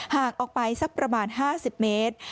หากออกไปสักประมาณ๕๐เมตร